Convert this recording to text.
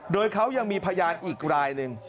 โดยเขายังมีพยานอีกรายหนึ่ง